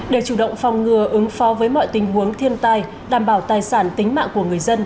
để chủ động phòng ngừa ứng phó với mọi tình huống thiên tai đảm bảo tài sản tính mạng của người dân